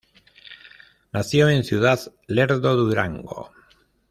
Nació en Ciudad Lerdo, Durango.